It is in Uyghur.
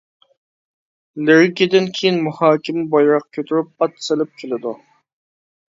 لىرىكىدىن كېيىن مۇھاكىمە بايراق كۆتۈرۈپ ئات سېلىپ كېلىدۇ.